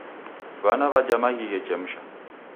W'ana w'ajha maghi ghechemsha